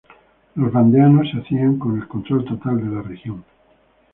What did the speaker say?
Los vandeanos se hacían con el control total de la región.